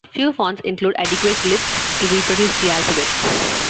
Few fonts include adequate glyphs to reproduce the alphabet.